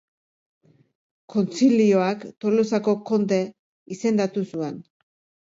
Kontzilioak Tolosako konde izendatu zuen.